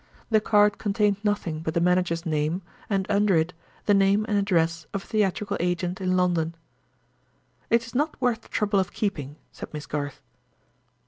The card contained nothing but the manager's name, and, under it, the name and address of a theatrical agent in London. "It is not worth the trouble of keeping," said Miss Garth.